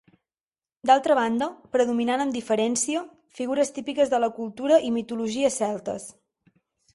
D'altra banda, predominant amb diferència, figures típiques de la cultura i mitologia celtes.